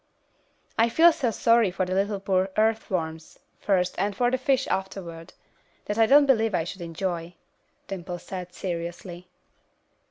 "I feel so sorry for the poor little earth worms, first, and for the fish afterward, that I don't believe I should enjoy it," Dimple said, seriously.